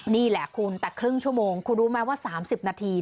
นี่แหละคุณแต่ครึ่งชั่วโมงคุณรู้ไหมว่า๓๐นาที